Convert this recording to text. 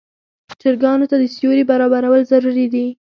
چرګانو ته د سیوري برابرول ضروري دي.